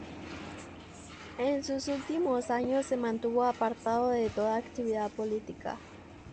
En sus últimos años se mantuvo apartado de toda actividad política.